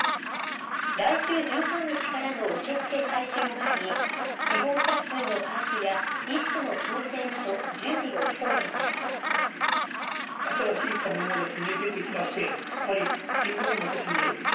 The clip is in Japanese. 来週１３日からの受け付け開始を前に、希望者数の把握や、医師との調整など、準備を急いでいます。